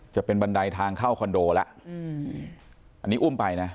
จะเป็นบันไดทางเข้าคอนโดแล้วอืมอันนี้อุ้มไปนะ